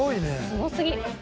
すごすぎ。